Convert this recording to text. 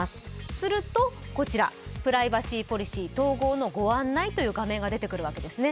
すると、こちら、「プライバシーポリシー統合のご案内」という画面が出てくるわけですね。